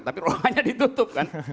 tapi ruangannya ditutup kan